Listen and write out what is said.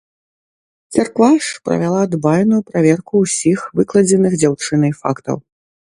Царква ж правяла дбайную праверку ўсіх выкладзеных дзяўчынай фактаў.